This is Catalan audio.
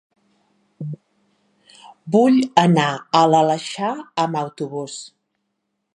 Vull anar a l'Aleixar amb autobús.